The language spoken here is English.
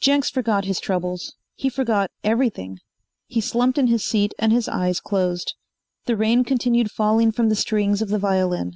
Jenks forgot his troubles. He forgot everything. He slumped in his seat and his eyes closed. The rain continued falling from the strings of the violin.